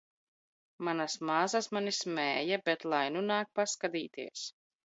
Manas m?sas mani sm?ja, bet lai nu n?k paskat?ties!